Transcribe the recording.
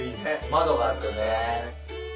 窓があってね。